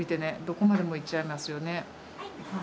どこまでも行っちゃいますよね。